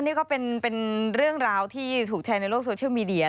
นี่ก็เป็นเรื่องราวที่ถูกแชร์ในโลกโซเชียลมีเดีย